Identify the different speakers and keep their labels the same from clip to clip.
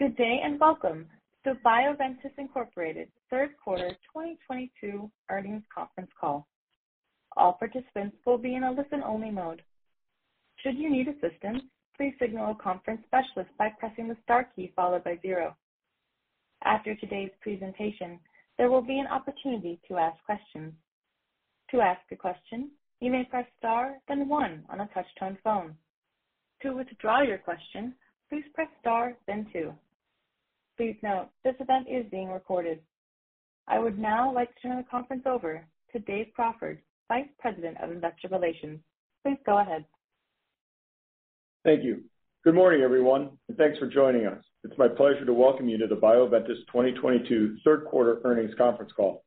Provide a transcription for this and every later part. Speaker 1: Good day. Welcome to Bioventus Inc. third quarter 2022 earnings conference call. All participants will be in a listen-only mode. Should you need assistance, please signal a conference specialist by pressing the star key followed by 0. After today's presentation, there will be an opportunity to ask questions. To ask a question, you may press Star, then 1 on a touch-tone phone. To withdraw your question, please press Star, then 2. Please note, this event is being recorded. I would now like to turn the conference over to Dave Crawford, Vice President of Investor Relations. Please go ahead.
Speaker 2: Thank you. Good morning, everyone. Thanks for joining us. It's my pleasure to welcome you to the Bioventus 2022 third quarter earnings conference call.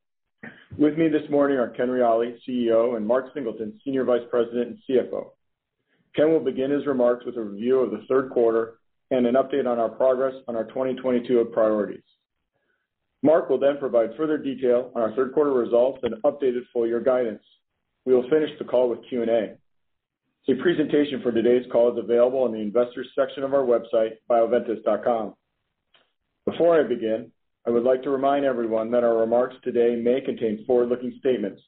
Speaker 2: With me this morning are Ken Reali, CEO, and Mark Singleton, Senior Vice President and CFO. Ken will begin his remarks with a review of the third quarter and an update on our progress on our 2022 priorities. Mark will then provide further detail on our third quarter results and updated full year guidance. We will finish the call with Q&A. The presentation for today's call is available in the Investors section of our website, bioventus.com. Before I begin, I would like to remind everyone that our remarks today may contain forward-looking statements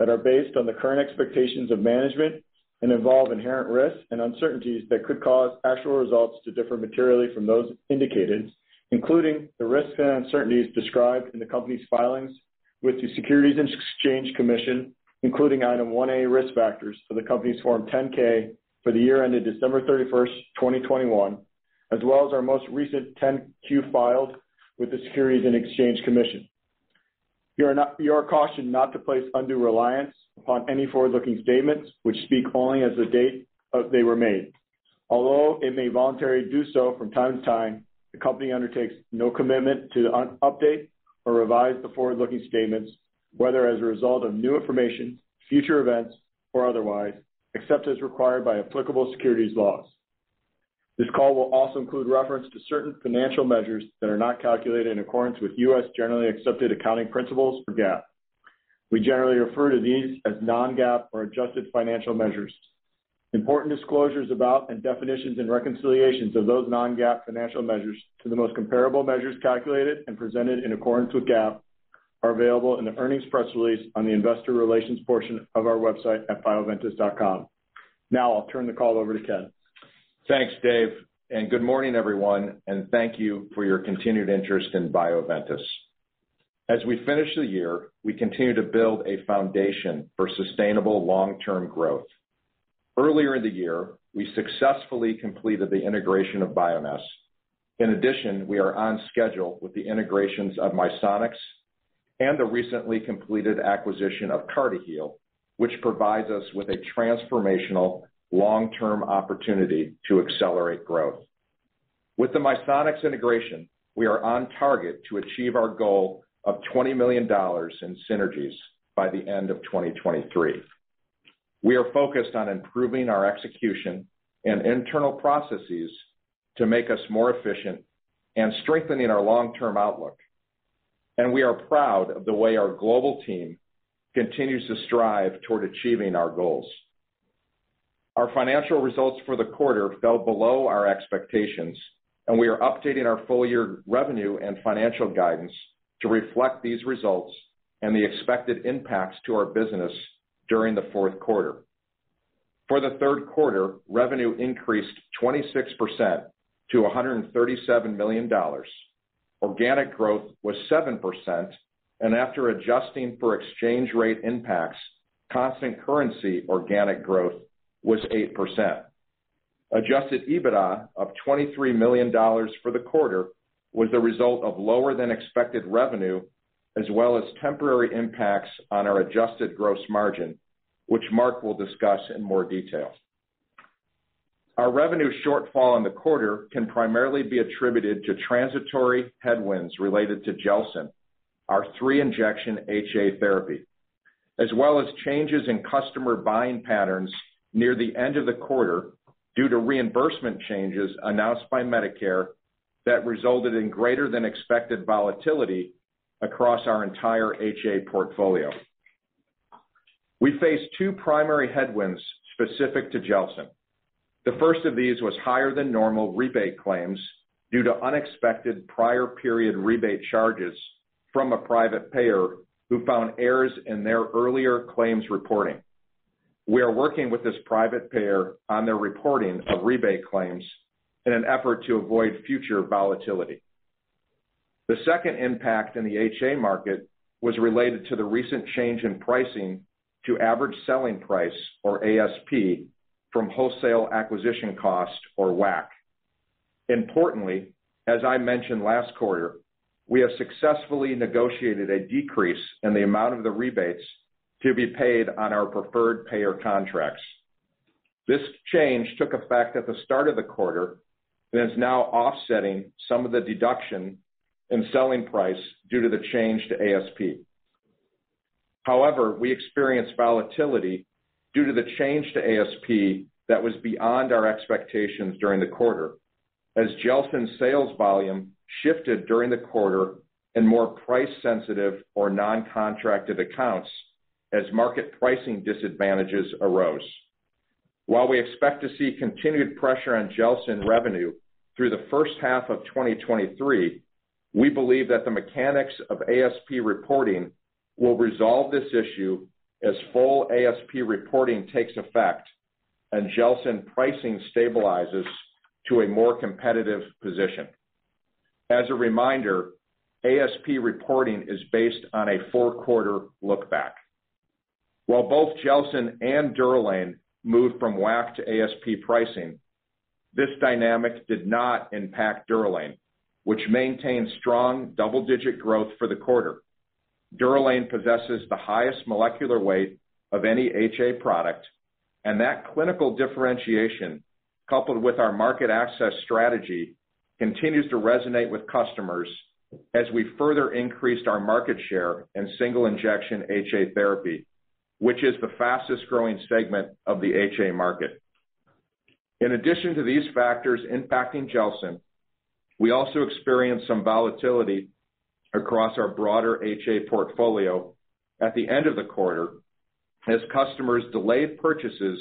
Speaker 2: that are based on the current expectations of management and involve inherent risks and uncertainties that could cause actual results to differ materially from those indicated, including the risks and uncertainties described in the company's filings with the Securities and Exchange Commission, including Item 1A Risk Factors for the company's Form 10-K for the year ended December 31st, 2021, as well as our most recent 10-Q filed with the Securities and Exchange Commission. You are cautioned not to place undue reliance upon any forward-looking statements which speak only as of the date they were made. Although it may voluntarily do so from time to time, the company undertakes no commitment to update or revise the forward-looking statements, whether as a result of new information, future events, or otherwise, except as required by applicable securities laws. This call will also include reference to certain financial measures that are not calculated in accordance with U.S. generally accepted accounting principles for GAAP. We generally refer to these as non-GAAP or adjusted financial measures. Important disclosures about and definitions and reconciliations of those non-GAAP financial measures to the most comparable measures calculated and presented in accordance with GAAP are available in the earnings press release on the investor relations portion of our website at bioventus.com. I'll turn the call over to Ken.
Speaker 3: Thanks, Dave, good morning, everyone, and thank you for your continued interest in Bioventus. As we finish the year, we continue to build a foundation for sustainable long-term growth. Earlier in the year, we successfully completed the integration of Bioness. In addition, we are on schedule with the integrations of Misonix and the recently completed acquisition of CartiHeal, which provides us with a transformational long-term opportunity to accelerate growth. With the Misonix integration, we are on target to achieve our goal of $20 million in synergies by the end of 2023. We are focused on improving our execution and internal processes to make us more efficient and strengthening our long-term outlook. We are proud of the way our global team continues to strive toward achieving our goals. Our financial results for the quarter fell below our expectations. We are updating our full year revenue and financial guidance to reflect these results and the expected impacts to our business during the fourth quarter. For the third quarter, revenue increased 26% to $137 million. Organic growth was 7%, and after adjusting for exchange rate impacts, constant currency organic growth was 8%. Adjusted EBITDA of $23 million for the quarter was the result of lower than expected revenue, as well as temporary impacts on our adjusted gross margin, which Mark will discuss in more detail. Our revenue shortfall in the quarter can primarily be attributed to transitory headwinds related to GELSYN-3, our three-injection HA therapy, as well as changes in customer buying patterns near the end of the quarter due to reimbursement changes announced by Medicare that resulted in greater than expected volatility across our entire HA portfolio. We face two primary headwinds specific to GELSYN-3. The first of these was higher than normal rebate claims due to unexpected prior period rebate charges from a private payer who found errors in their earlier claims reporting. We are working with this private payer on their reporting of rebate claims in an effort to avoid future volatility. The second impact in the HA market was related to the recent change in pricing to average selling price, or ASP, from wholesale acquisition cost, or WAC. Importantly, as I mentioned last quarter, we have successfully negotiated a decrease in the amount of the rebates to be paid on our preferred payer contracts. This change took effect at the start of the quarter and is now offsetting some of the deduction in selling price due to the change to ASP. We experienced volatility due to the change to ASP that was beyond our expectations during the quarter as GELSYN-3 sales volume shifted during the quarter in more price sensitive or non-contracted accounts as market pricing disadvantages arose. While we expect to see continued pressure on GELSYN-3 revenue through the first half of 2023, we believe that the mechanics of ASP reporting will resolve this issue as full ASP reporting takes effect and GELSYN-3 pricing stabilizes to a more competitive position. As a reminder, ASP reporting is based on a four-quarter look-back. While both GELSYN-3 and DUROLANE moved from WAC to ASP pricing, this dynamic did not impact DUROLANE, which maintained strong double-digit growth for the quarter. DUROLANE possesses the highest molecular weight of any HA product. That clinical differentiation, coupled with our market access strategy, continues to resonate with customers as we further increased our market share in single injection HA therapy, which is the fastest-growing segment of the HA market. In addition to these factors impacting GELSYN-3, we also experienced some volatility across our broader HA portfolio at the end of the quarter as customers delayed purchases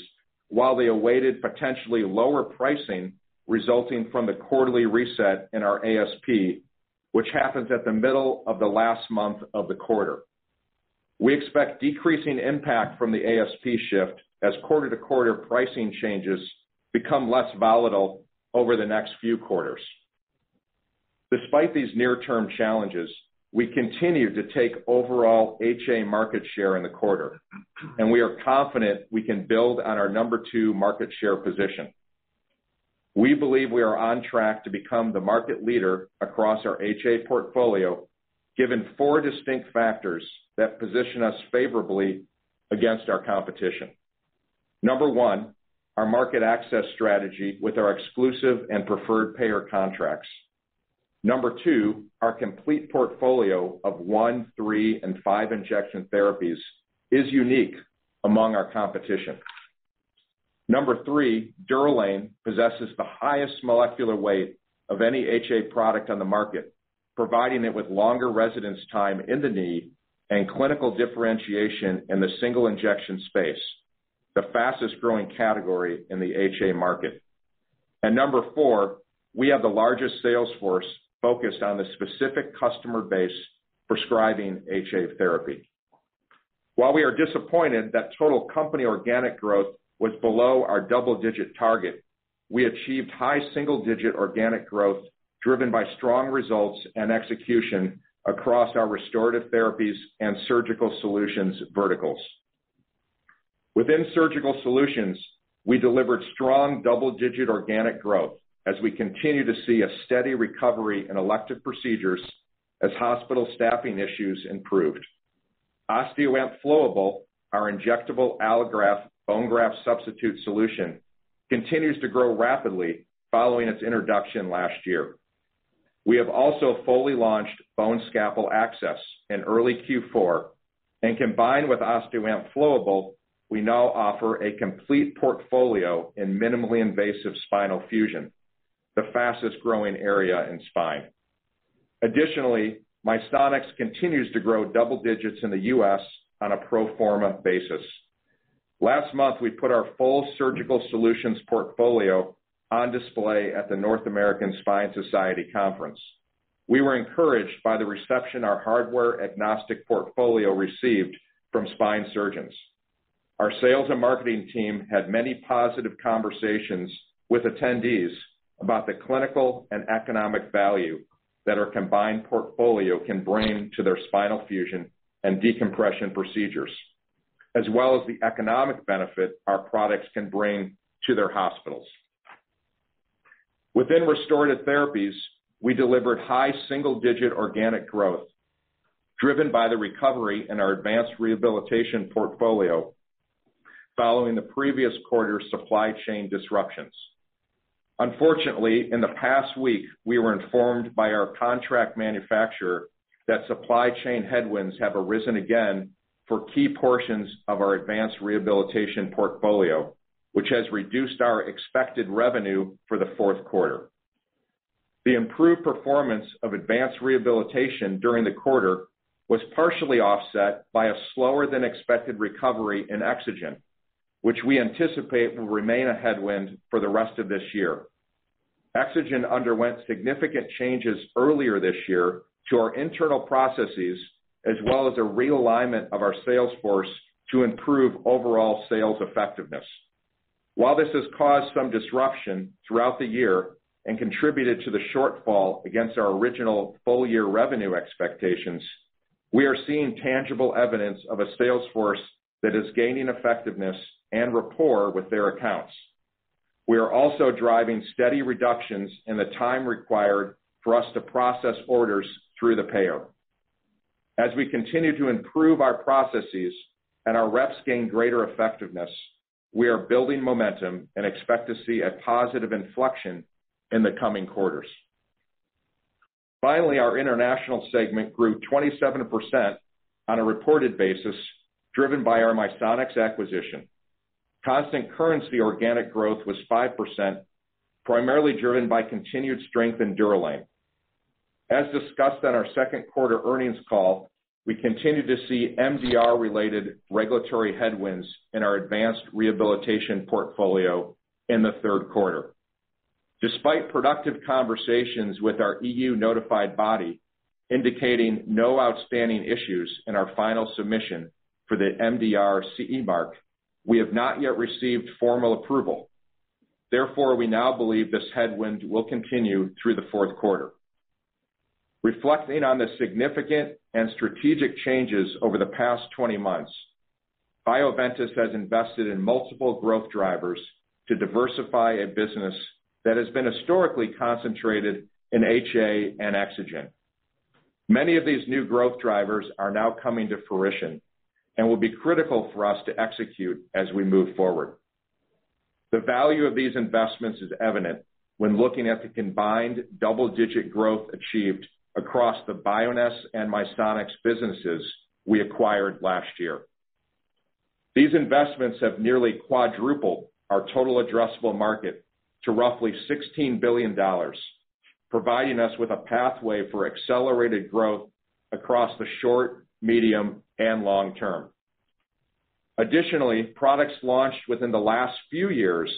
Speaker 3: while they awaited potentially lower pricing resulting from the quarterly reset in our ASP, which happens at the middle of the last month of the quarter. We expect decreasing impact from the ASP shift as quarter-to-quarter pricing changes become less volatile over the next few quarters. Despite these near-term challenges, we continued to take overall HA market share in the quarter. We are confident we can build on our number 2 market share position. We believe we are on track to become the market leader across our HA portfolio, given 4 distinct factors that position us favorably against our competition. Number 1, our market access strategy with our exclusive and preferred payer contracts. Number 2, our complete portfolio of 1, 3, and 5 injection therapies is unique among our competition. Number 3, DUROLANE possesses the highest molecular weight of any HA product on the market, providing it with longer residence time in the knee and clinical differentiation in the single injection space, the fastest-growing category in the HA market. Number 4, we have the largest sales force focused on the specific customer base prescribing HA therapy. While we are disappointed that total company organic growth was below our double-digit target, we achieved high single-digit organic growth driven by strong results and execution across our Restorative Therapies and Surgical Solutions verticals. Within Surgical Solutions, we delivered strong double-digit organic growth as we continue to see a steady recovery in elective procedures as hospital staffing issues improved. OSTEOAMP SELECT Flowable, our injectable allograft bone graft substitute solution, continues to grow rapidly following its introduction last year. We have also fully launched BoneScalpel Access in early Q4. Combined with OSTEOAMP SELECT Flowable, we now offer a complete portfolio in minimally invasive spinal fusion, the fastest-growing area in spine. Additionally, Misonix continues to grow double digits in the U.S. on a pro forma basis. Last month, we put our full Surgical Solutions portfolio on display at the North American Spine Society conference. We were encouraged by the reception our hardware-agnostic portfolio received from spine surgeons. Our sales and marketing team had many positive conversations with attendees about the clinical and economic value that our combined portfolio can bring to their spinal fusion and decompression procedures, as well as the economic benefit our products can bring to their hospitals. Within Restorative Therapies, we delivered high single-digit organic growth driven by the recovery in our advanced rehabilitation portfolio following the previous quarter's supply chain disruptions. Unfortunately, in the past week, we were informed by our contract manufacturer that supply chain headwinds have arisen again for key portions of our advanced rehabilitation portfolio, which has reduced our expected revenue for the fourth quarter. The improved performance of advanced rehabilitation during the quarter was partially offset by a slower-than-expected recovery in EXOGEN, which we anticipate will remain a headwind for the rest of this year. EXOGEN underwent significant changes earlier this year to our internal processes, as well as a realignment of our sales force to improve overall sales effectiveness. While this has caused some disruption throughout the year and contributed to the shortfall against our original full-year revenue expectations, we are seeing tangible evidence of a sales force that is gaining effectiveness and rapport with their accounts. We are also driving steady reductions in the time required for us to process orders through the payer. As we continue to improve our processes and our reps gain greater effectiveness, we are building momentum and expect to see a positive inflection in the coming quarters. Finally, our international segment grew 27% on a reported basis, driven by our Misonix acquisition. Constant currency organic growth was 5%, primarily driven by continued strength in DUROLANE. As discussed on our second quarter earnings call, we continue to see MDR-related regulatory headwinds in our advanced rehabilitation portfolio in the third quarter. Despite productive conversations with our EU notified body indicating no outstanding issues in our final submission for the MDR CE mark, we have not yet received formal approval. Therefore, we now believe this headwind will continue through the fourth quarter. Reflecting on the significant and strategic changes over the past 20 months, Bioventus has invested in multiple growth drivers to diversify a business that has been historically concentrated in HA and EXOGEN. Many of these new growth drivers are now coming to fruition and will be critical for us to execute as we move forward. The value of these investments is evident when looking at the combined double-digit growth achieved across the Bioness and Misonix businesses we acquired last year. These investments have nearly quadrupled our total addressable market to roughly $16 billion, providing us with a pathway for accelerated growth across the short, medium, and long term. Additionally, products launched within the last few years,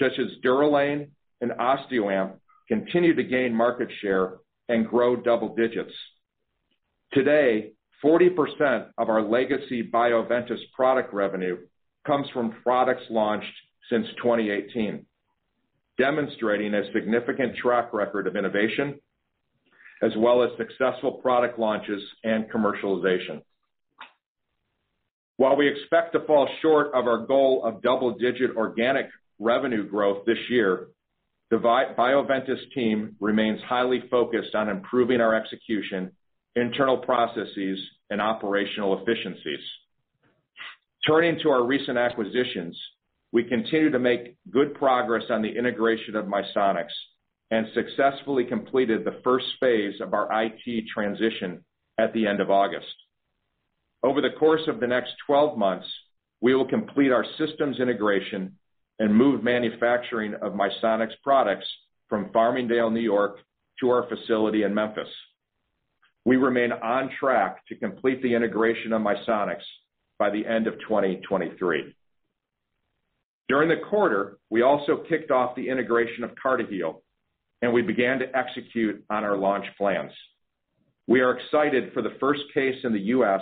Speaker 3: such as DUROLANE and OSTEOAMP, continue to gain market share and grow double digits. Today, 40% of our legacy Bioventus product revenue comes from products launched since 2018, demonstrating a significant track record of innovation as well as successful product launches and commercialization. While we expect to fall short of our goal of double-digit organic revenue growth this year, the Bioventus team remains highly focused on improving our execution, internal processes, and operational efficiencies. Turning to our recent acquisitions, we continue to make good progress on the integration of Misonix and successfully completed the first phase of our IT transition at the end of August. Over the course of the next 12 months, we will complete our systems integration and move manufacturing of Misonix products from Farmingdale, New York, to our facility in Memphis. We remain on track to complete the integration of Misonix by the end of 2023. During the quarter, we also kicked off the integration of CartiHeal, and we began to execute on our launch plans. We are excited for the first case in the U.S.,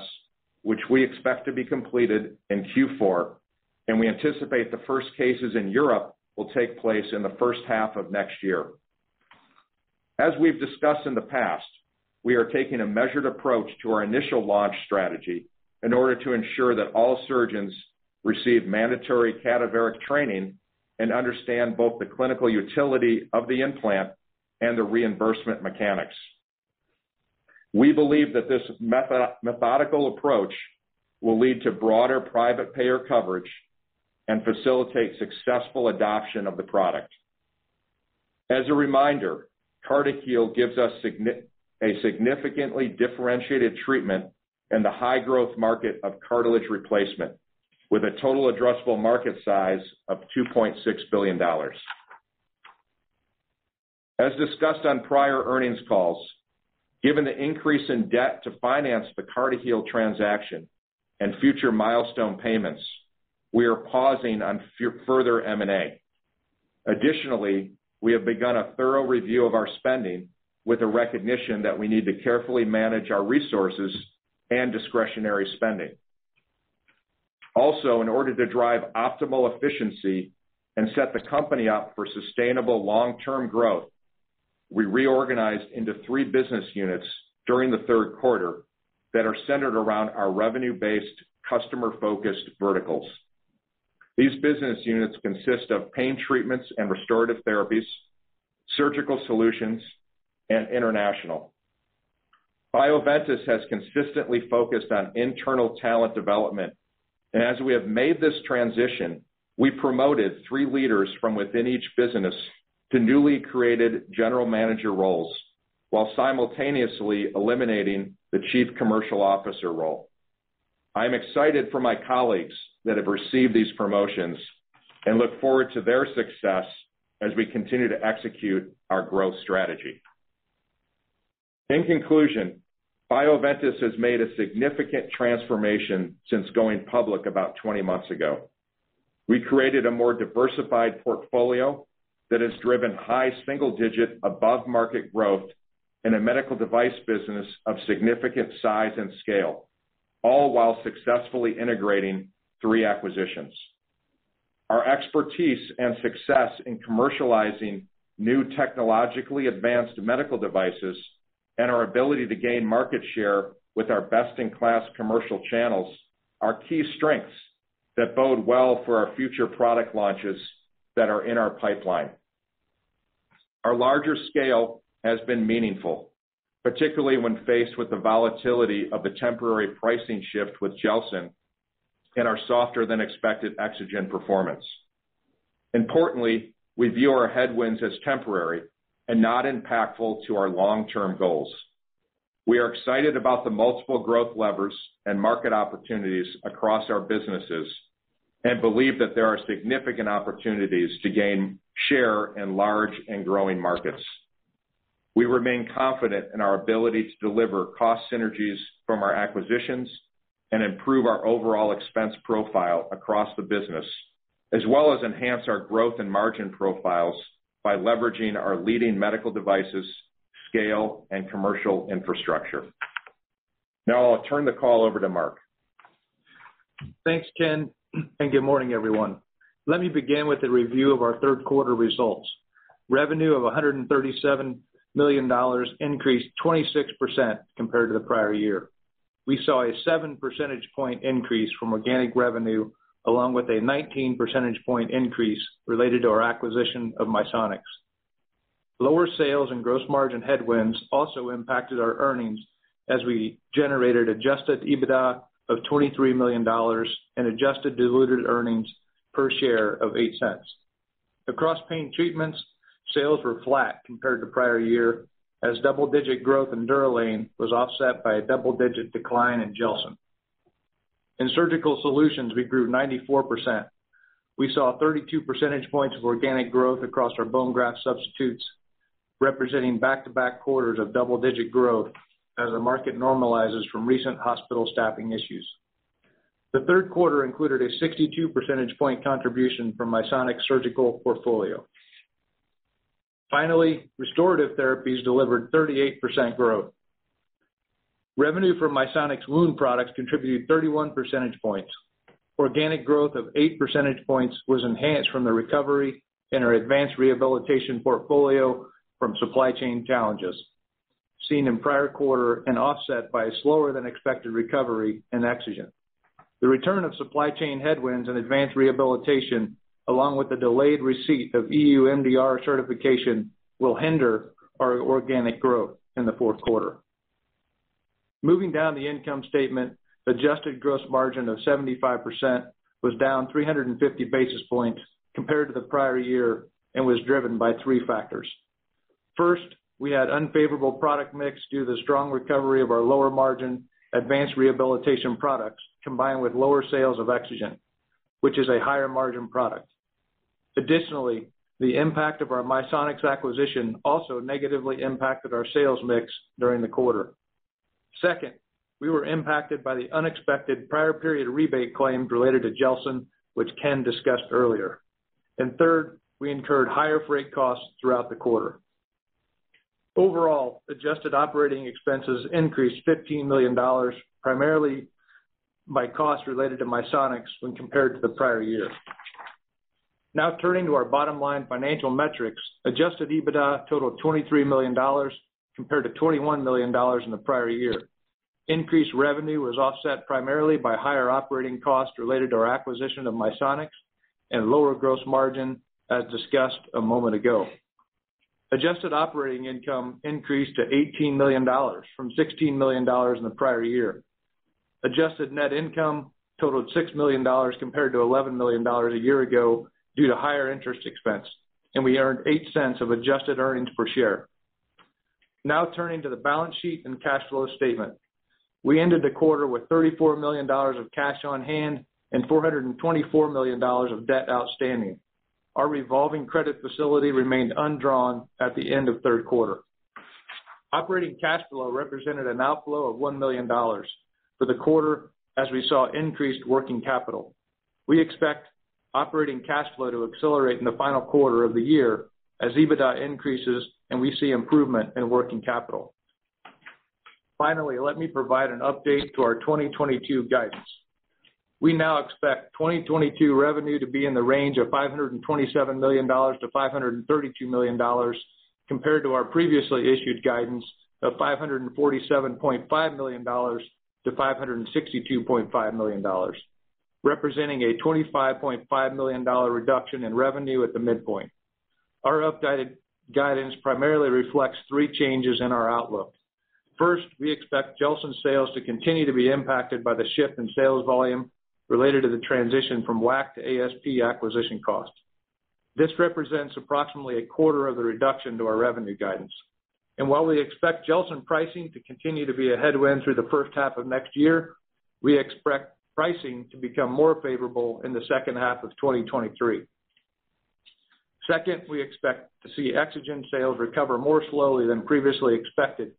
Speaker 3: which we expect to be completed in Q4, and we anticipate the first cases in Europe will take place in the first half of next year. As we've discussed in the past, we are taking a measured approach to our initial launch strategy in order to ensure that all surgeons receive mandatory cadaveric training and understand both the clinical utility of the implant and the reimbursement mechanics. We believe that this methodical approach will lead to broader private payer coverage and facilitate successful adoption of the product. As a reminder, CartiHeal gives us a significantly differentiated treatment in the high-growth market of cartilage replacement, with a total addressable market size of $2.6 billion. As discussed on prior earnings calls, given the increase in debt to finance the CartiHeal transaction and future milestone payments, we are pausing on further M&A. Additionally, we have begun a thorough review of our spending with a recognition that we need to carefully manage our resources and discretionary spending. In order to drive optimal efficiency and set the company up for sustainable long-term growth, we reorganized into three business units during the third quarter that are centered around our revenue-based, customer-focused verticals. These business units consist of Pain Treatments and Restorative Therapies, Surgical Solutions, and International. Bioventus has consistently focused on internal talent development. As we have made this transition, we promoted three leaders from within each business to newly created general manager roles while simultaneously eliminating the chief commercial officer role. I am excited for my colleagues that have received these promotions and look forward to their success as we continue to execute our growth strategy. In conclusion, Bioventus has made a significant transformation since going public about 20 months ago. We created a more diversified portfolio that has driven high single-digit above-market growth in a medical device business of significant size and scale, all while successfully integrating three acquisitions. Our expertise and success in commercializing new technologically advanced medical devices and our ability to gain market share with our best-in-class commercial channels are key strengths that bode well for our future product launches that are in our pipeline. Our larger scale has been meaningful, particularly when faced with the volatility of a temporary pricing shift with GELSYN-3 and our softer-than-expected EXOGEN performance. Importantly, we view our headwinds as temporary and not impactful to our long-term goals. We are excited about the multiple growth levers and market opportunities across our businesses, and believe that there are significant opportunities to gain share in large and growing markets. We remain confident in our ability to deliver cost synergies from our acquisitions and improve our overall expense profile across the business, as well as enhance our growth and margin profiles by leveraging our leading medical devices, scale, and commercial infrastructure. Now I'll turn the call over to Mark.
Speaker 4: Thanks, Ken, and good morning, everyone. Let me begin with a review of our third quarter results. Revenue of $137 million increased 26% compared to the prior year. We saw a seven percentage point increase from organic revenue, along with a 19 percentage point increase related to our acquisition of Misonix. Lower sales and gross margin headwinds also impacted our earnings as we generated adjusted EBITDA of $23 million and adjusted diluted earnings per share of $0.08. Across Pain Treatments, sales were flat compared to prior year, as double-digit growth in DUROLANE was offset by a double-digit decline in GELSYN-3. In Surgical Solutions, we grew 94%. We saw 32 percentage points of organic growth across our bone graft substitutes, representing back-to-back quarters of double-digit growth as the market normalizes from recent hospital staffing issues. The third quarter included a 62 percentage point contribution from Misonix' surgical portfolio. Finally, Restorative Therapies delivered 38% growth. Revenue from Misonix wound products contributed 31 percentage points. Organic growth of 8 percentage points was enhanced from the recovery in our advanced rehabilitation portfolio from supply chain challenges seen in prior quarter and offset by a slower than expected recovery in EXOGEN. The return of supply chain headwinds in advanced rehabilitation, along with the delayed receipt of EU MDR certification, will hinder our organic growth in the fourth quarter. Moving down the income statement, adjusted gross margin of 75% was down 350 basis points compared to the prior year and was driven by three factors. First, we had unfavorable product mix due to the strong recovery of our lower margin advanced rehabilitation products, combined with lower sales of EXOGEN, which is a higher margin product. Additionally, the impact of our Misonix acquisition also negatively impacted our sales mix during the quarter. Second, we were impacted by the unexpected prior period rebate claims related to GELSYN-3, which Ken discussed earlier. Third, we incurred higher freight costs throughout the quarter. Overall, adjusted operating expenses increased $15 million, primarily by costs related to Misonix when compared to the prior year. Now turning to our bottom line financial metrics. Adjusted EBITDA totaled $23 million compared to $21 million in the prior year. Increased revenue was offset primarily by higher operating costs related to our acquisition of Misonix and lower gross margin, as discussed a moment ago. Adjusted operating income increased to $18 million from $16 million in the prior year. Adjusted net income totaled $6 million compared to $11 million a year ago due to higher interest expense, and we earned $0.08 of adjusted earnings per share. Now turning to the balance sheet and cash flow statement. We ended the quarter with $34 million of cash on hand and $424 million of debt outstanding. Our revolving credit facility remained undrawn at the end of third quarter. Operating cash flow represented an outflow of $1 million for the quarter as we saw increased working capital. We expect operating cash flow to accelerate in the final quarter of the year as EBITDA increases and we see improvement in working capital. Finally, let me provide an update to our 2022 guidance. We now expect 2022 revenue to be in the range of $527 million-$532 million compared to our previously issued guidance of $547.5 million-$562.5 million, representing a $25.5 million reduction in revenue at the midpoint. Our updated guidance primarily reflects three changes in our outlook. First, we expect GELSYN-3 sales to continue to be impacted by the shift in sales volume related to the transition from WAC to ASP acquisition costs. This represents approximately a quarter of the reduction to our revenue guidance. While we expect GELSYN-3 pricing to continue to be a headwind through the first half of next year, we expect pricing to become more favorable in the second half of 2023. Second, we expect to see EXOGEN sales recover more slowly than previously expected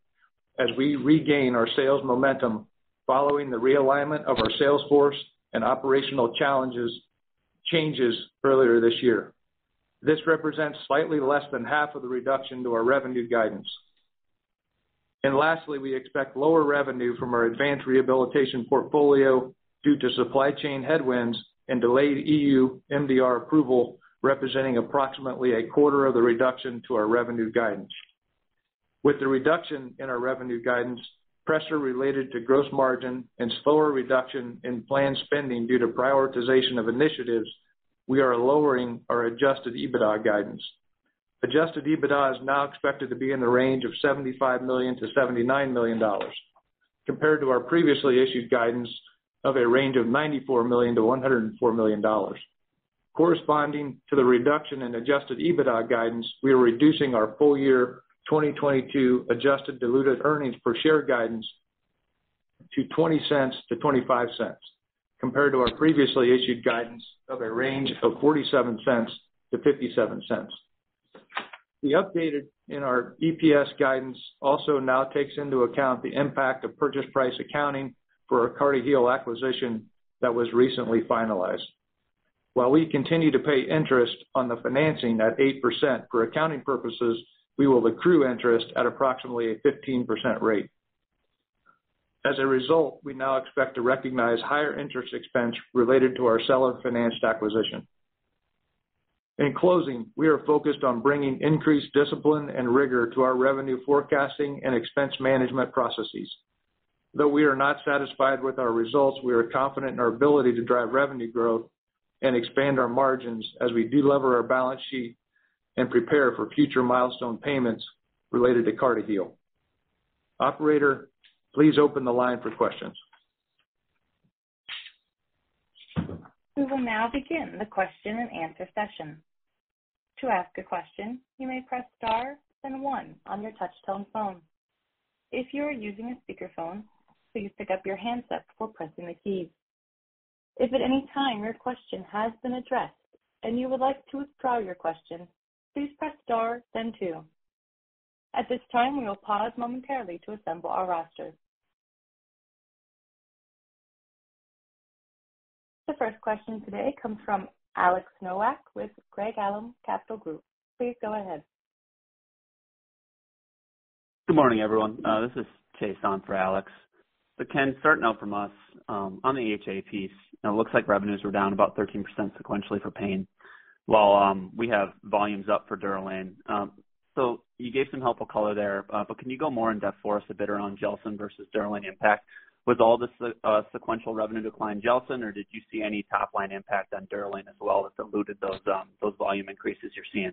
Speaker 4: as we regain our sales momentum following the realignment of our sales force and operational challenges changes earlier this year. This represents slightly less than half of the reduction to our revenue guidance. Lastly, we expect lower revenue from our advanced rehabilitation portfolio due to supply chain headwinds and delayed EU MDR approval, representing approximately a quarter of the reduction to our revenue guidance. With the reduction in our revenue guidance, pressure related to gross margin, and slower reduction in planned spending due to prioritization of initiatives, we are lowering our adjusted EBITDA guidance. Adjusted EBITDA is now expected to be in the range of $75 million to $79 million. Compared to our previously issued guidance of a range of $94 million to $104 million. Corresponding to the reduction in adjusted EBITDA guidance, we are reducing our full year 2022 adjusted diluted earnings per share guidance to $0.20 to $0.25, compared to our previously issued guidance of a range of $0.47 to $0.57. The updated in our EPS guidance also now takes into account the impact of purchase price accounting for our CartiHeal acquisition that was recently finalized. While we continue to pay interest on the financing at 8%, for accounting purposes, we will accrue interest at approximately a 15% rate. As a result, we now expect to recognize higher interest expense related to our seller-financed acquisition. In closing, we are focused on bringing increased discipline and rigor to our revenue forecasting and expense management processes.
Speaker 3: Though we are not satisfied with our results, we are confident in our ability to drive revenue growth and expand our margins as we de-lever our balance sheet and prepare for future milestone payments related to CartiHeal. Operator, please open the line for questions.
Speaker 1: We will now begin the question and answer session. To ask a question, you may press star, then one on your touchtone phone. If you are using a speakerphone, please pick up your handset before pressing the keys. If at any time your question has been addressed and you would like to withdraw your question, please press star, then two. At this time, we will pause momentarily to assemble our roster. The first question today comes from Alex Nowak with Craig-Hallum Capital Group. Please go ahead.
Speaker 5: Good morning, everyone. This is Chase on for Alex. Ken, starting out from us, on the HA piece, it looks like revenues were down about 13% sequentially for Pain Treatments, while we have volumes up for DUROLANE. You gave some helpful color there, but can you go more in-depth for us a bit around GELSYN-3 versus DUROLANE impact? Was all the sequential revenue decline GELSYN-3, or did you see any top-line impact on DUROLANE as well that diluted those volume increases you're seeing?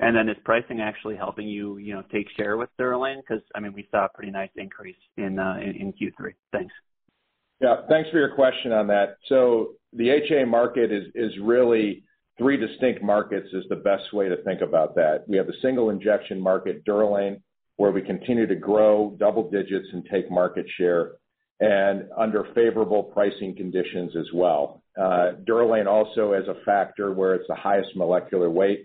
Speaker 5: Is pricing actually helping you take share with DUROLANE? We saw a pretty nice increase in Q3. Thanks.
Speaker 3: Yeah. Thanks for your question on that. The HA market is really three distinct markets, is the best way to think about that. We have a single injection market, DUROLANE, where we continue to grow double digits and take market share and under favorable pricing conditions as well. DUROLANE also has a factor where it's the highest molecular weight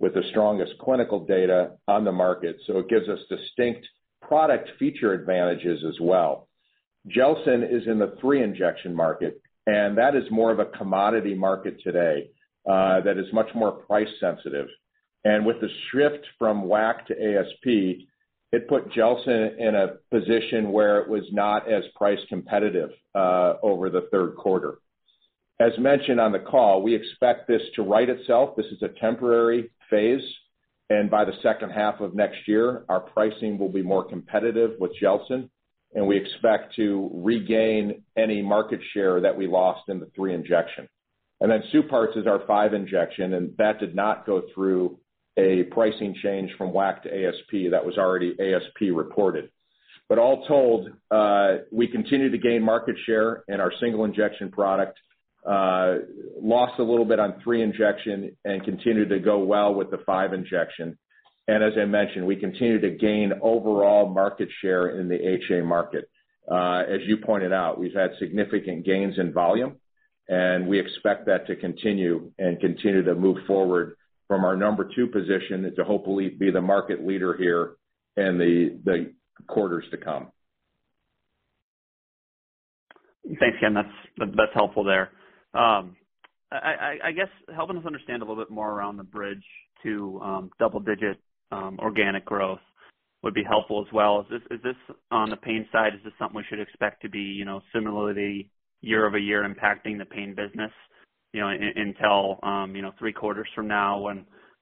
Speaker 3: with the strongest clinical data on the market, it gives us distinct product feature advantages as well. GELSYN-3 is in the three injection market, that is more of a commodity market today that is much more price sensitive. With the shift from WAC to ASP, it put GELSYN-3 in a position where it was not as price competitive over the third quarter. As mentioned on the call, we expect this to right itself. This is a temporary phase, and by the second half of next year, our pricing will be more competitive with GELSYN-3, we expect to regain any market share that we lost in the three injection. Supartz FX is our five injection, and that did not go through a pricing change from WAC to ASP. That was already ASP reported. All told, we continue to gain market share in our single injection product, lost a little bit on three injection and continued to go well with the five injection. As I mentioned, we continue to gain overall market share in the HA market. As you pointed out, we've had significant gains in volume, and we expect that to continue and continue to move forward from our number 2 position and to hopefully be the market leader here in the quarters to come.
Speaker 5: Thanks, Ken. That's helpful there. I guess helping us understand a little bit more around the bridge to double-digit organic growth would be helpful as well. On the Pain Treatments side, is this something we should expect to be similarly year-over-year impacting the Pain Treatments business until three quarters from now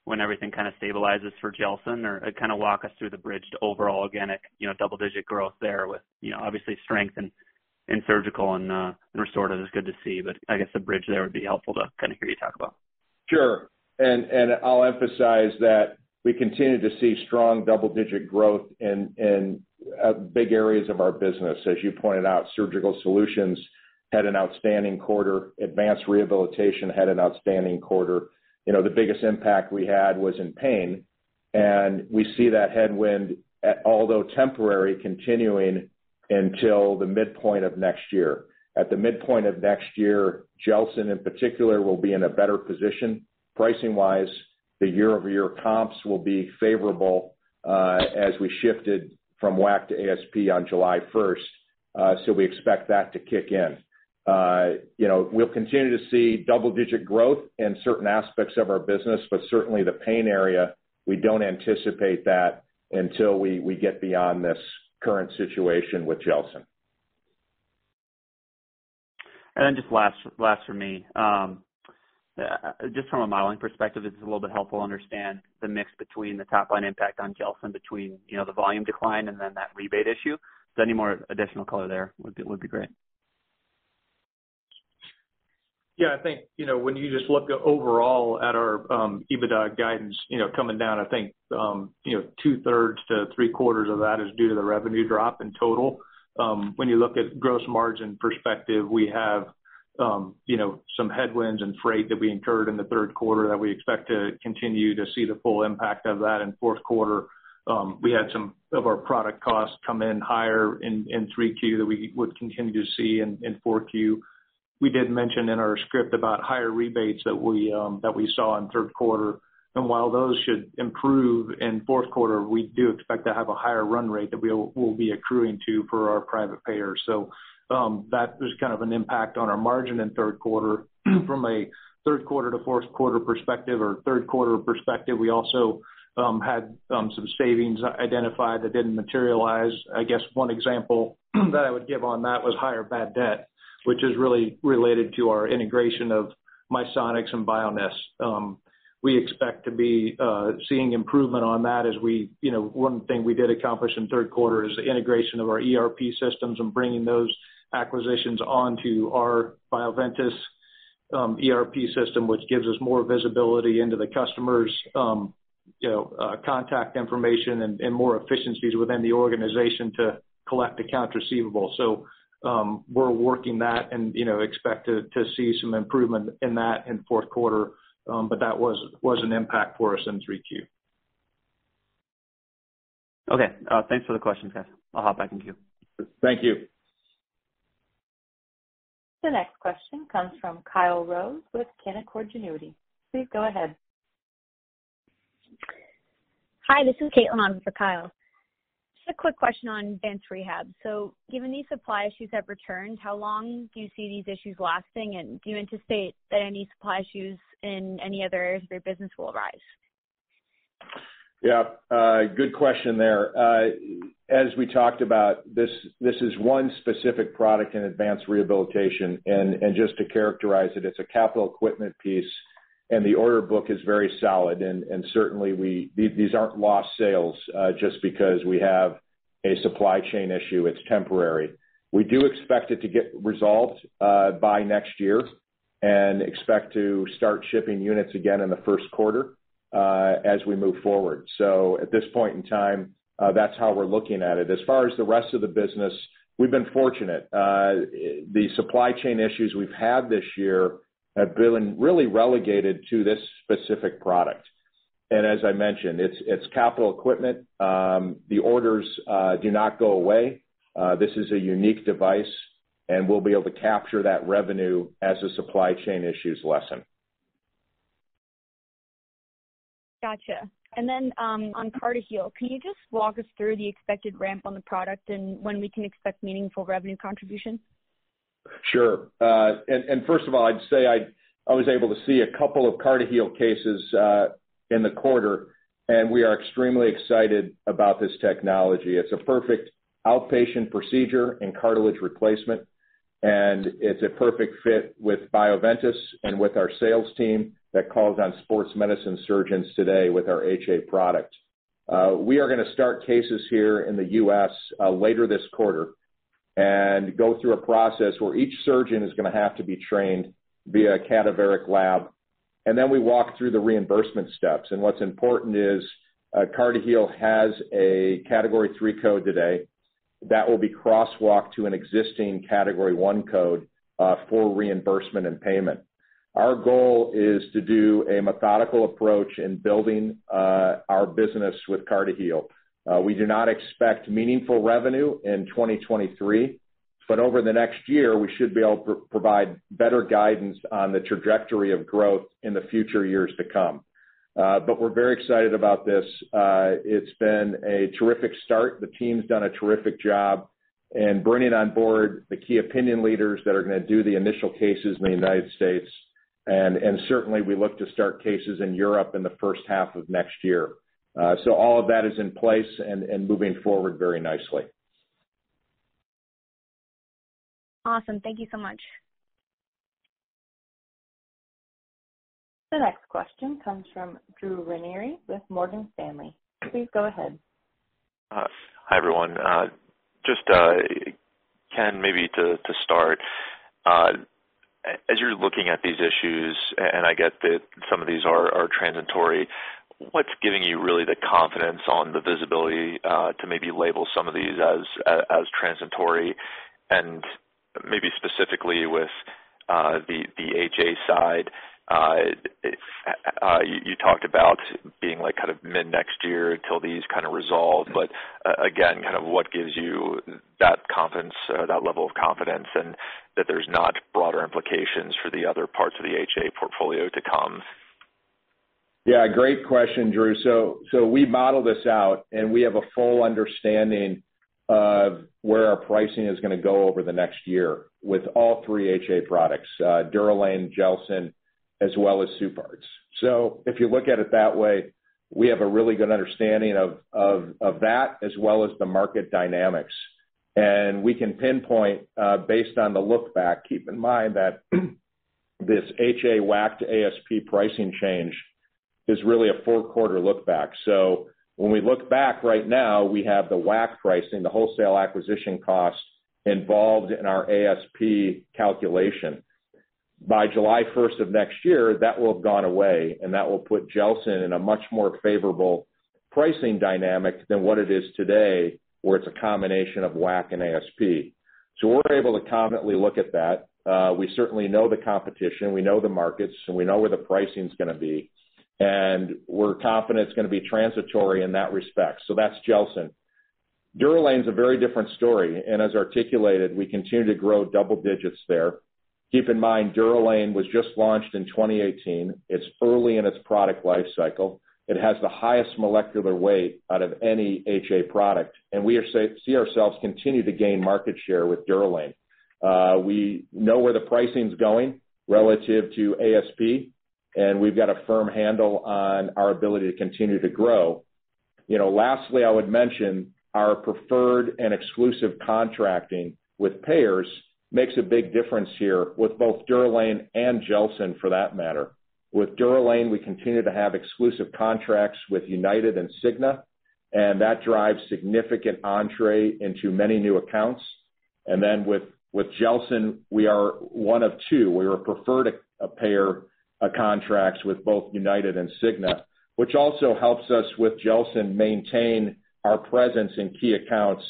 Speaker 5: when everything kind of stabilizes for GELSYN-3? Kind of walk us through the bridge to overall organic double-digit growth there with obviously strength in Surgical and Restorative is good to see, but I guess the bridge there would be helpful to kind of hear you talk about.
Speaker 3: I'll emphasize that we continue to see strong double-digit growth in big areas of our business. As you pointed out, Surgical Solutions had an outstanding quarter. Advanced Rehabilitation had an outstanding quarter. The biggest impact we had was in pain, and we see that headwind, although temporary, continuing until the midpoint of next year. At the midpoint of next year, GELSYN-3 in particular will be in a better position pricing wise. The year-over-year comps will be favorable as we shifted from WAC to ASP on July 1st, we expect that to kick in. We'll continue to see double-digit growth in certain aspects of our business, but certainly the pain area, we don't anticipate that until we get beyond this current situation with GELSYN-3.
Speaker 5: Just last from me. Just from a modeling perspective, this is a little bit helpful to understand the mix between the top line impact on GELSYN-3 between the volume decline and that rebate issue. Any more additional color there would be great.
Speaker 4: I think when you just look overall at our EBITDA guidance coming down, I think two-thirds to three-quarters of that is due to the revenue drop in total. When you look at gross margin perspective, we have some headwinds and freight that we incurred in the third quarter that we expect to continue to see the full impact of that in fourth quarter. We had some of our product costs come in higher in Q3 that we would continue to see in Q4. We did mention in our script about higher rebates that we saw in third quarter. While those should improve in fourth quarter, we do expect to have a higher run rate that we'll be accruing to for our private payers. That was kind of an impact on our margin in third quarter. From a third-quarter to fourth-quarter perspective or third-quarter perspective, we also had some savings identified that didn't materialize. I guess one example that I would give on that was higher bad debt, which is really related to our integration of Misonix and Bioness. One thing we did accomplish in third quarter is the integration of our ERP systems and bringing those acquisitions onto our Bioventus ERP system, which gives us more visibility into the customer's contact information and more efficiencies within the organization to collect accounts receivable. We're working that and expect to see some improvement in that in fourth quarter. That was an impact for us in Q3.
Speaker 5: Okay. Thanks for the question, Ken. I'll hop back in queue.
Speaker 4: Thank you.
Speaker 1: The next question comes from Kyle Rose with Canaccord Genuity. Please go ahead.
Speaker 6: Hi, this is Caitlin on for Kyle. Just a quick question on advanced rehab. Given these supply issues have returned, how long do you see these issues lasting, and do you anticipate that any supply issues in any other areas of your business will arise?
Speaker 4: Yeah. Good question there. As we talked about, this is one specific product in advanced rehabilitation, and just to characterize it's a capital equipment piece, and the order book is very solid. Certainly, these aren't lost sales, just because we have a supply chain issue, it's temporary. We do expect it to get resolved by next year and expect to start shipping units again in the first quarter as we move forward. At this point in time, that's how we're looking at it. As far as the rest of the business, we've been fortunate. The supply chain issues we've had this year have been really relegated to this specific product. As I mentioned, it's capital equipment. The orders do not go away. This is a unique device, and we'll be able to capture that revenue as the supply chain issues lessen.
Speaker 6: Got you. Then, on CartiHeal, can you just walk us through the expected ramp on the product and when we can expect meaningful revenue contribution?
Speaker 4: Sure. First of all, I'd say I was able to see a couple of CartiHeal cases in the quarter, and we are extremely excited about this technology. It's a perfect outpatient procedure in cartilage replacement, and it's a perfect fit with Bioventus and with our sales team that calls on sports medicine surgeons today with our HA product. We are going to start cases here in the U.S. later this quarter and go through a process where each surgeon is going to have to be trained via a cadaveric lab, and then we walk through the reimbursement steps. What's important is CartiHeal has a category 3 code today that will be crosswalked to an existing category 1 code for reimbursement and payment. Our goal is to do a methodical approach in building our business with CartiHeal. We do not expect meaningful revenue in 2023, over the next year, we should be able to provide better guidance on the trajectory of growth in the future years to come. We're very excited about this. It's been a terrific start. The team's done a terrific job in bringing on board the key opinion leaders that are going to do the initial cases in the U.S., and certainly we look to start cases in Europe in the first half of next year. All of that is in place and moving forward very nicely.
Speaker 6: Awesome. Thank you so much.
Speaker 1: The next question comes from Drew Ranieri with Morgan Stanley. Please go ahead.
Speaker 7: Hi, everyone. Just, Ken, maybe to start, as you're looking at these issues, and I get that some of these are transitory, what's giving you really the confidence on the visibility to maybe label some of these as transitory and maybe specifically with the HA side? You talked about being mid-next year till these kind of resolve, but again, what gives you that level of confidence and that there's not broader implications for the other parts of the HA portfolio to come?
Speaker 3: Yeah, great question, Drew. We model this out, and we have a full understanding of where our pricing is going to go over the next year with all three HA products, DUROLANE, GELSYN-3, as well as SUPARTZ. If you look at it that way, we have a really good understanding of that as well as the market dynamics. We can pinpoint, based on the look back, keep in mind that this HA WAC to ASP pricing change It is really a four-quarter look back. So when we look back right now, we have the WAC pricing, the wholesale acquisition cost involved in our ASP calculation. By July 1st of next year, that will have gone away, and that will put GELSYN-3 in a much more favorable pricing dynamic than what it is today, where it's a combination of WAC and ASP. So we're able to confidently look at that. We certainly know the competition, we know the markets, and we know where the pricing's going to be. And we're confident it's going to be transitory in that respect. So that's GELSYN-3. DUROLANE's a very different story. As articulated, we continue to grow double digits there. Keep in mind, DUROLANE was just launched in 2018. It's early in its product life cycle. It has the highest molecular weight out of any HA product, and we see ourselves continue to gain market share with DUROLANE. We know where the pricing's going relative to ASP, and we've got a firm handle on our ability to continue to grow. Lastly, I would mention our preferred and exclusive contracting with payers makes a big difference here with both DUROLANE and GELSYN-3, for that matter. With DUROLANE, we continue to have exclusive contracts with United and Cigna, and that drives significant entree into many new accounts. Then with GELSYN-3, we are one of two. We are a preferred payer contracts with both United and Cigna, which also helps us with GELSYN-3 maintain our presence in key accounts.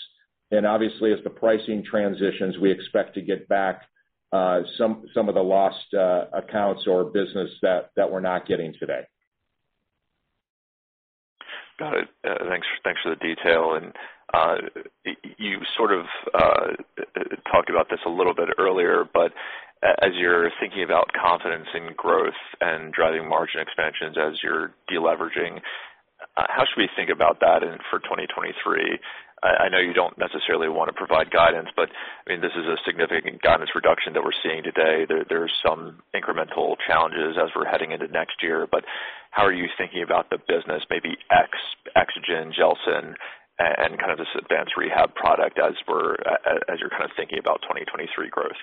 Speaker 3: And obviously, as the pricing transitions, we expect to get back some of the lost accounts or business that we're not getting today.
Speaker 7: Got it. Thanks for the detail. And you sort of talked about this a little bit earlier, but as you're thinking about confidence in growth and driving margin expansions as you're de-leveraging, how should we think about that for 2023? I know you don't necessarily want to provide guidance, but this is a significant guidance reduction that we're seeing today. There's some incremental challenges as we're heading into next year, but how are you thinking about the business, maybe EXOGEN, GELSYN-3, and kind of this advanced rehab product as you're kind of thinking about 2023 growth?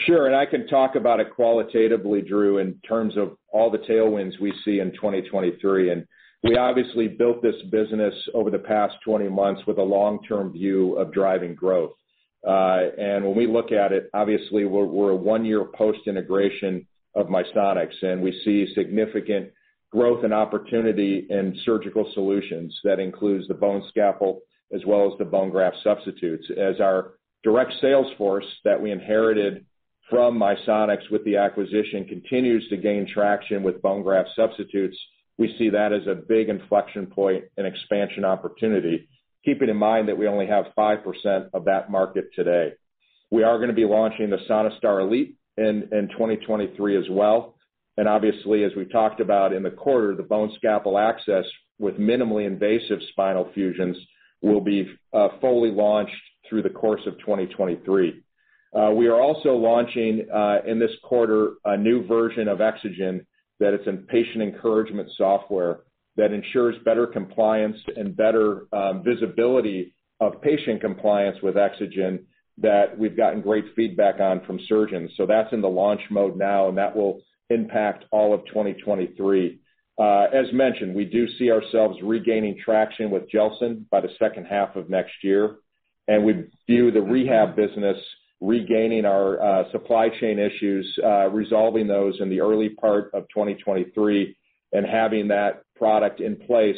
Speaker 3: Sure. And I can talk about it qualitatively, Drew, in terms of all the tailwinds we see in 2023. And we obviously built this business over the past 20 months with a long-term view of driving growth. And when we look at it, obviously we're one year post-integration of Misonix, and we see significant growth and opportunity in Surgical Solutions. That includes the BoneScalpel as well as the bone graft substitutes. As our direct sales force that we inherited from Misonix with the acquisition continues to gain traction with bone graft substitutes, we see that as a big inflection point and expansion opportunity, keeping in mind that we only have 5% of that market today. We are going to be launching the SonaStar Elite in 2023 as well. Obviously, as we talked about in the quarter, the BoneScalpel Access with minimally invasive spinal fusions will be fully launched through the course of 2023. We are also launching, in this quarter, a new version of EXOGEN that is in patient encouragement software that ensures better compliance and better visibility of patient compliance with EXOGEN that we've gotten great feedback on from surgeons. So that's in the launch mode now, and that will impact all of 2023. As mentioned, we do see ourselves regaining traction with GELSYN-3 by the second half of next year, and we view the rehab business regaining our supply chain issues, resolving those in the early part of 2023, and having that product in place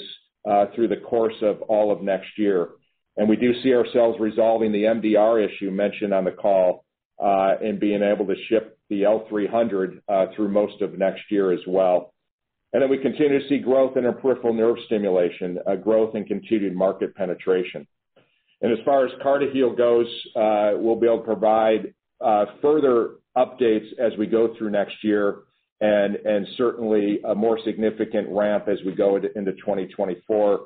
Speaker 3: through the course of all of next year. We do see ourselves resolving the MDR issue mentioned on the call, being able to ship the L300 through most of next year as well. We continue to see growth in our peripheral nerve stimulation, a growth in continued market penetration. As far as CartiHeal goes, we'll be able to provide further updates as we go through next year and certainly a more significant ramp as we go into 2024.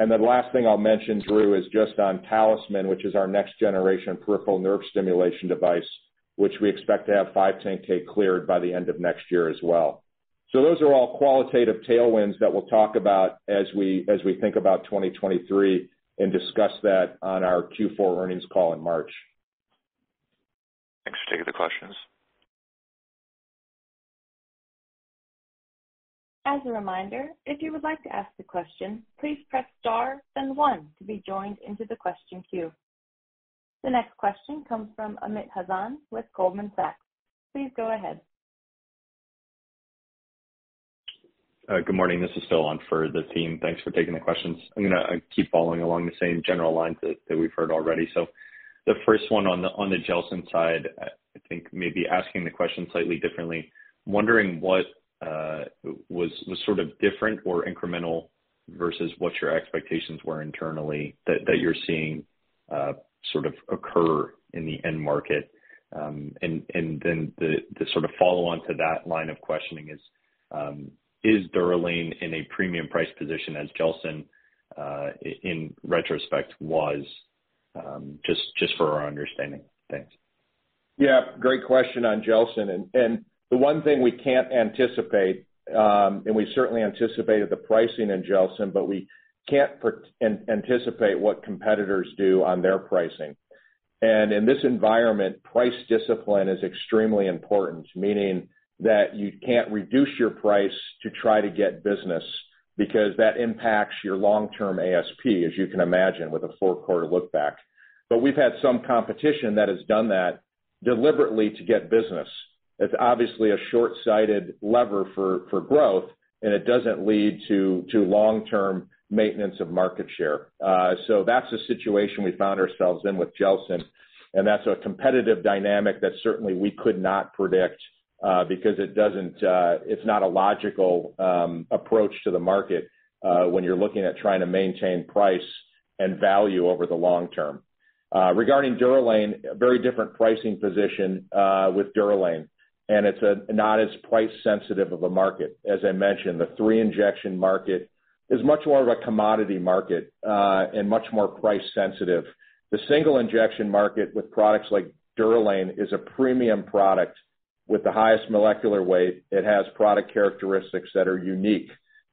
Speaker 3: Last thing I'll mention, Drew, is just on Talisman, which is our next generation peripheral nerve stimulation device, which we expect to have 510(k) cleared by the end of next year as well. Those are all qualitative tailwinds that we'll talk about as we think about 2023 and discuss that on our Q4 earnings call in March.
Speaker 7: Thanks for taking the questions.
Speaker 1: As a reminder, if you would like to ask a question, please press star then one to be joined into the question queue. The next question comes from Amit Hazan with Goldman Sachs. Please go ahead.
Speaker 8: Good morning. This is Phil on for the team. Thanks for taking the questions. I'm going to keep following along the same general lines that we've heard already. The first one on the GELSYN-3 side, I think maybe asking the question slightly differently. I'm wondering what was sort of different or incremental versus what your expectations were internally that you're seeing sort of occur in the end market. And then the sort of follow-on to that line of questioning is DUROLANE in a premium price position as GELSYN-3, in retrospect, was? Just for our understanding. Thanks.
Speaker 3: Yeah, great question on GELSYN-3. The one thing we can't anticipate, and we certainly anticipated the pricing in GELSYN-3, we can't anticipate what competitors do on their pricing. In this environment, price discipline is extremely important, meaning that you can't reduce your price to try to get business because that impacts your long-term ASP, as you can imagine, with a four-quarter look back. We've had some competition that has done that deliberately to get business. It's obviously a short-sighted lever for growth, and it doesn't lead to long-term maintenance of market share. That's the situation we found ourselves in with GELSYN-3, and that's a competitive dynamic that certainly we could not predict because it's not a logical approach to the market when you're looking at trying to maintain price and value over the long term. Regarding DUROLANE, a very different pricing position with DUROLANE, and it's not as price sensitive of a market. As I mentioned, the three-injection market is much more of a commodity market, and much more price sensitive. The single injection market with products like DUROLANE is a premium product with the highest molecular weight. It has product characteristics that are unique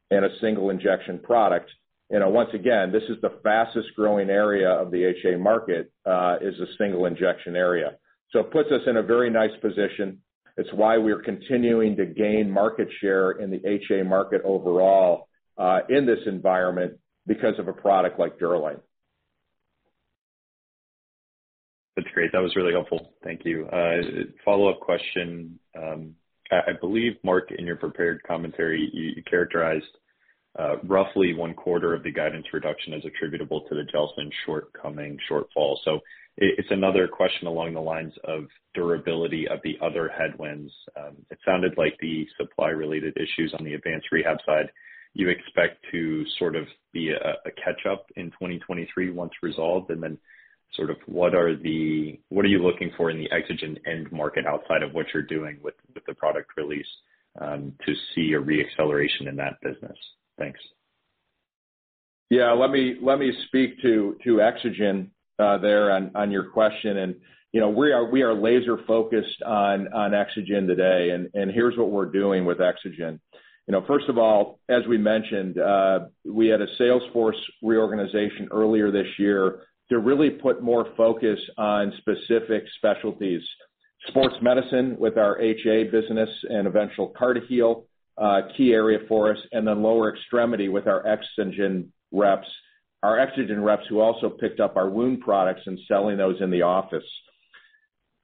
Speaker 3: in a single injection product. Once again, this is the fastest growing area of the HA market, is the single injection area. It puts us in a very nice position. It's why we are continuing to gain market share in the HA market overall in this environment because of a product like DUROLANE.
Speaker 8: That's great. That was really helpful. Thank you. Follow-up question. I believe, Mark, in your prepared commentary, you characterized roughly one-quarter of the guidance reduction as attributable to the GELSYN-3 shortcoming shortfall. It's another question along the lines of durability of the other headwinds. It sounded like the supply-related issues on the advanced rehab side, you expect to sort of be a catch-up in 2023 once resolved, and then sort of what are you looking for in the EXOGEN end market, outside of what you're doing with the product release, to see a re-acceleration in that business? Thanks.
Speaker 3: Yeah. Let me speak to EXOGEN there on your question. We are laser-focused on EXOGEN today, and here's what we're doing with EXOGEN. First of all, as we mentioned, we had a sales force reorganization earlier this year to really put more focus on specific specialties. Sports medicine with our HA business and eventual CartiHeal, key area for us, and then lower extremity with our EXOGEN reps. Our EXOGEN reps who also picked up our wound products and selling those in the office.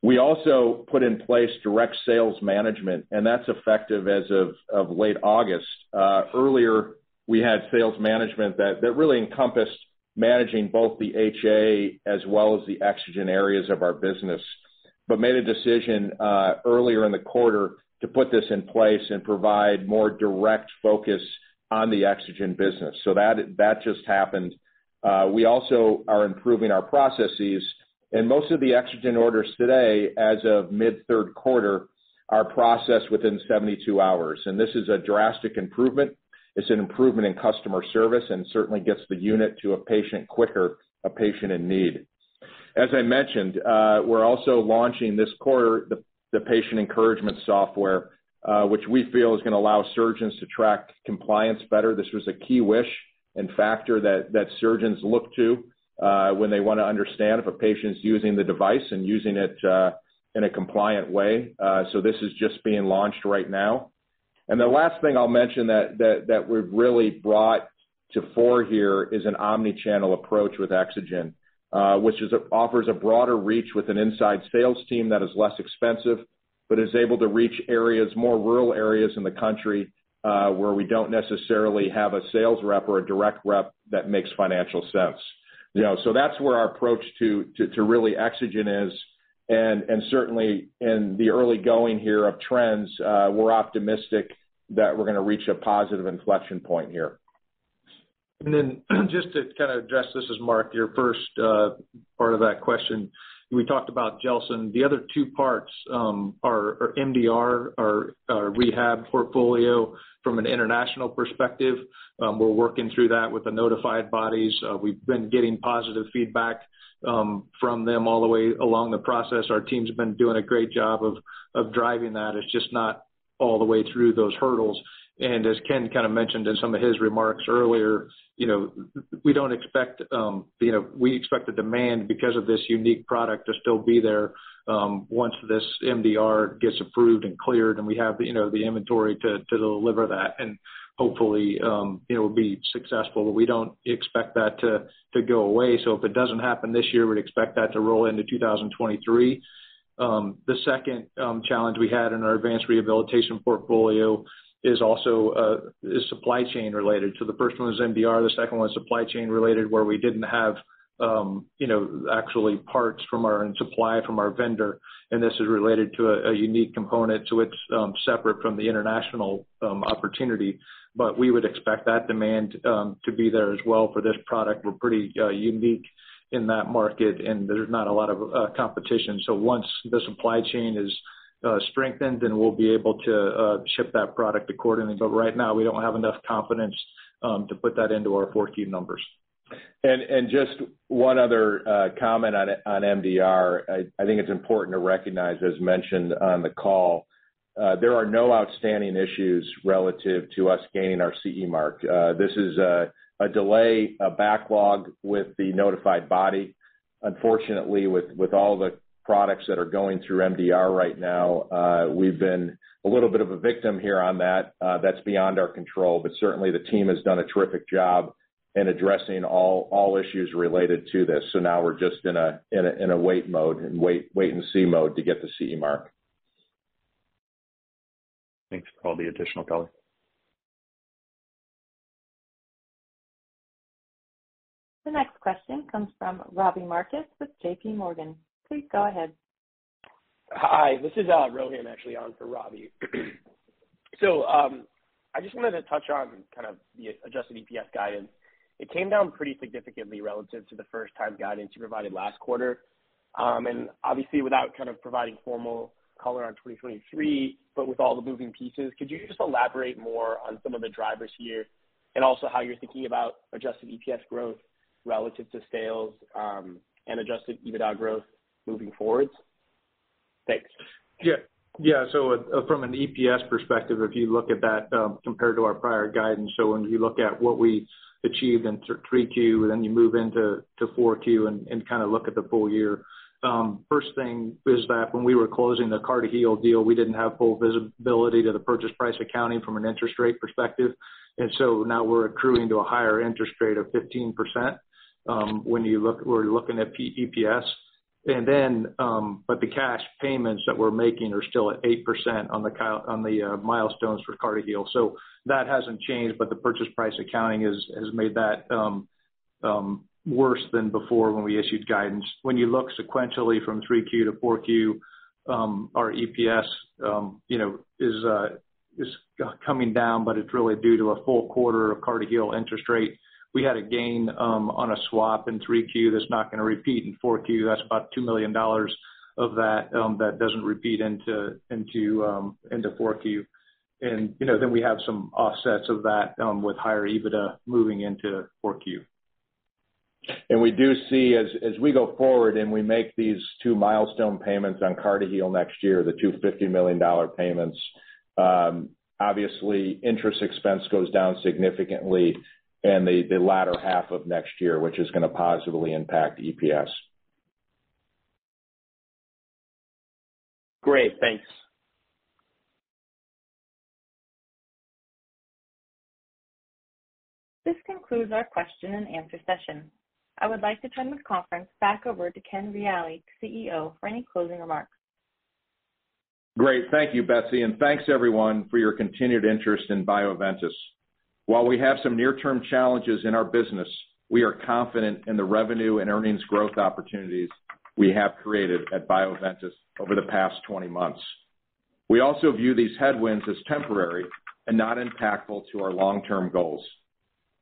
Speaker 3: We also put in place direct sales management, and that's effective as of late August. Earlier, we had sales management that really encompassed managing both the HA as well as the EXOGEN areas of our business. Made a decision earlier in the quarter to put this in place and provide more direct focus on the EXOGEN business. That just happened. We also are improving our processes. Most of the EXOGEN orders today, as of mid-third quarter, are processed within 72 hours. This is a drastic improvement. It's an improvement in customer service, and certainly gets the unit to a patient quicker, a patient in need. As I mentioned, we're also launching this quarter the patient encouragement software, which we feel is going to allow surgeons to track compliance better. This was a key wish and factor that surgeons look to when they want to understand if a patient's using the device and using it in a compliant way. This is just being launched right now. The last thing I'll mention that we've really brought to fore here is an omni-channel approach with EXOGEN, which offers a broader reach with an inside sales team that is less expensive, but is able to reach more rural areas in the country, where we don't necessarily have a sales rep or a direct rep that makes financial sense. That's where our approach to really EXOGEN is, and certainly in the early going here of trends, we're optimistic that we're going to reach a positive inflection point here.
Speaker 4: Just to kind of address this as Mark, your first part of that question. We talked about GELSYN-3. The other two parts are MDR, our rehab portfolio from an international perspective. We're working through that with the notified bodies. We've been getting positive feedback from them all the way along the process. Our team's been doing a great job of driving that. It's just not all the way through those hurdles. As Ken kind of mentioned in some of his remarks earlier, we expect the demand, because of this unique product, to still be there once this MDR gets approved and cleared and we have the inventory to deliver that and hopefully, it will be successful. We don't expect that to go away. If it doesn't happen this year, we'd expect that to roll into 2023. The second challenge we had in our advanced rehabilitation portfolio is supply chain related. The first one was MDR, the second one is supply chain related, where we didn't have actually parts and supply from our vendor. This is related to a unique component, so it's separate from the international opportunity. We would expect that demand to be there as well for this product. We're pretty unique in that market, and there's not a lot of competition. Once the supply chain is strengthened, then we'll be able to ship that product accordingly. Right now, we don't have enough confidence to put that into our 4Q numbers.
Speaker 3: Just one other comment on MDR. I think it's important to recognize, as mentioned on the call. There are no outstanding issues relative to us gaining our CE mark. This is a delay, a backlog with the notified body. Unfortunately, with all the products that are going through MDR right now, we've been a little bit of a victim here on that. That's beyond our control, but certainly, the team has done a terrific job in addressing all issues related to this. Now we're just in a wait mode and wait-and-see mode to get the CE mark.
Speaker 8: Thanks for all the additional color.
Speaker 1: The next question comes from Robbie Marcus with JP Morgan. Please go ahead.
Speaker 9: Hi, this is Rohan actually on for Robbie. I just wanted to touch on kind of the adjusted EPS guidance. It came down pretty significantly relative to the first-time guidance you provided last quarter. Obviously without kind of providing formal color on 2023, but with all the moving pieces, could you just elaborate more on some of the drivers here and also how you're thinking about adjusted EPS growth relative to sales, and adjusted EBITDA growth moving forward? Thanks.
Speaker 4: From an EPS perspective, if you look at that compared to our prior guidance, when you look at what we achieved in 3Q, you move into 4Q and kind of look at the full year. First thing is that when we were closing the CartiHeal deal, we didn't have full visibility to the purchase price accounting from an interest rate perspective. Now we're accruing to a higher interest rate of 15% when we're looking at EPS. The cash payments that we're making are still at 8% on the milestones for CartiHeal. That hasn't changed, the purchase price accounting has made that worse than before when we issued guidance. When you look sequentially from 3Q to 4Q, our EPS is coming down, it's really due to a full quarter of CartiHeal interest rate. We had a gain on a swap in 3Q that's not going to repeat in 4Q. That's about $2 million of that that doesn't repeat into 4Q. We have some offsets of that with higher EBITDA moving into 4Q.
Speaker 3: We do see as we go forward and we make these two milestone payments on CartiHeal next year, the two $50 million payments, obviously interest expense goes down significantly in the latter half of next year, which is going to positively impact EPS.
Speaker 9: Great. Thanks.
Speaker 1: This concludes our question and answer session. I would like to turn this conference back over to Ken Reali, CEO, for any closing remarks.
Speaker 3: Great. Thank you, Betsy, and thanks everyone for your continued interest in Bioventus. While we have some near-term challenges in our business, we are confident in the revenue and earnings growth opportunities we have created at Bioventus over the past 20 months. We also view these headwinds as temporary and not impactful to our long-term goals.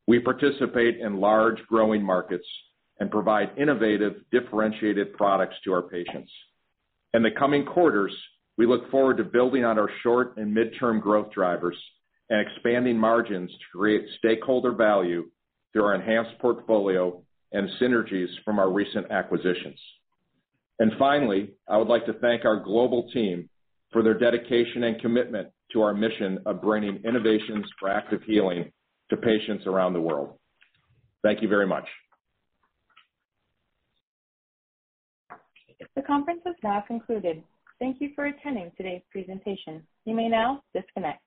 Speaker 3: We participate in large growing markets and provide innovative, differentiated products to our patients. In the coming quarters, we look forward to building on our short- and mid-term growth drivers and expanding margins to create stakeholder value through our enhanced portfolio and synergies from our recent acquisitions. Finally, I would like to thank our global team for their dedication and commitment to our mission of bringing innovations for active healing to patients around the world. Thank you very much.
Speaker 1: The conference has now concluded. Thank you for attending today's presentation. You may now disconnect.